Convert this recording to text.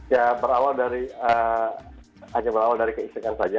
ya berawal dari aja berawal dari keistirahatan saja